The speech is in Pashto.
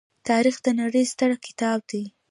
تاریخ د نړۍ ستر کتاب دی.